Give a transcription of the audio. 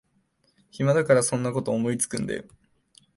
暇だからそんなこと思いつくんだよ